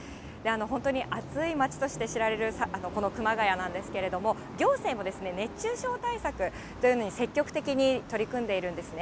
本当に暑い町として知られるこの熊谷なんですけれども、行政も熱中症対策というのに積極的に取り組んでいるんですね。